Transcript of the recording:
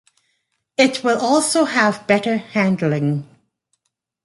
It will also have better handling.